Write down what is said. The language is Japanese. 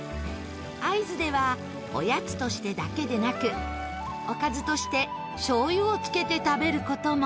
会津ではおやつとしてだけでなくおかずとして醤油をつけて食べる事も。